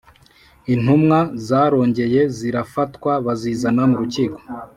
Intumwa zarongeye zirafatwa bazizana mu rukiko